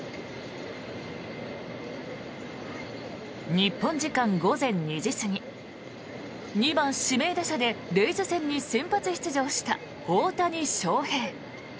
日本時間午前２時過ぎ２番指名打者でレイズ戦に先発出場した大谷翔平。